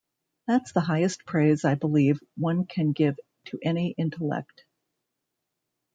That's the highest praise, I believe, one can give to any intellect.